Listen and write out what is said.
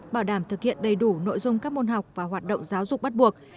bảo đảm thực hiện đầy đủ nội dung các môn học và hoạt động giáo dục bắt buộc